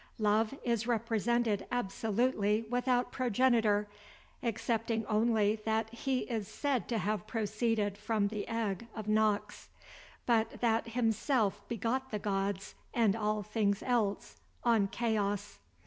Love is represented absolutely without progenitor, excepting only that he is said to have proceeded from the egg of Nox; but that himself begot the gods, and all things else, on Chaos.